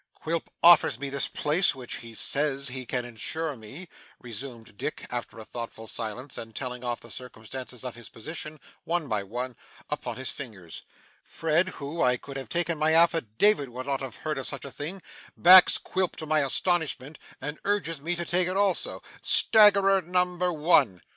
'Quilp offers me this place, which he says he can insure me,' resumed Dick after a thoughtful silence, and telling off the circumstances of his position, one by one, upon his fingers; 'Fred, who, I could have taken my affidavit, would not have heard of such a thing, backs Quilp to my astonishment, and urges me to take it also staggerer, number one!